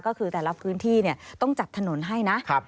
ก็คือแต่ละพื้นที่ต้องจัดถนนให้นะ